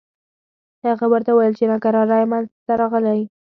هغه ورته وویل چې ناکراری منځته راغلي دي.